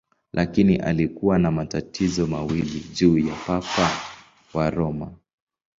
Lakini alikuwa na matatizo mawili juu ya Papa wa Roma.